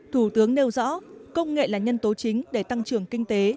thủ tướng nêu rõ công nghệ là nhân tố chính để tăng trưởng kinh tế